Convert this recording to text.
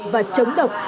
và chống độc